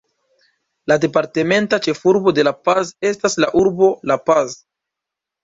La departementa ĉefurbo de La Paz estas la urbo La Paz.